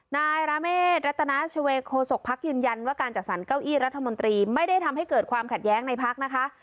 นายราเมฆรัตนาชเวโคศกภักดิ์ยืนยันว่าการจัดสรรเก้าอี้รัฐมนตรีไม่ได้ทำให้เกิดความขัดแย้งในพักนะคะ